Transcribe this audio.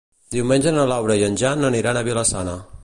Diumenge na Laura i en Jan aniran a Vila-sana.